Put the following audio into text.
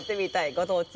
ご当地